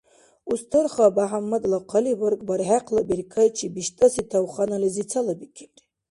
Устарха БяхӀяммадла хъалибарг бархӀехъла беркайчи биштӀаси тавханализи цалабикилри.